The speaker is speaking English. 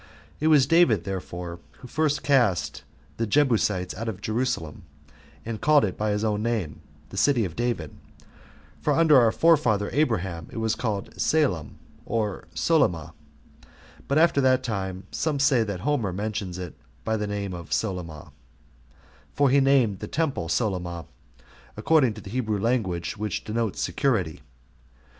It was David, therefore, who first cast the Jebusites out of Jerusalem, and called it by his own name, The City of David: for under our forefather Abraham it was called [Salem, or] Solyma; 5 but after that time, some say that Homer mentions it by that name of Solyma, [for he named the temple Solyma, according to the Hebrew language, which denotes security.